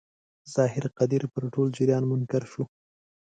ظاهر قدیر پر ټول جریان منکر شو.